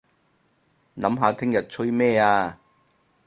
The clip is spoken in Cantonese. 諗下聽日吹咩吖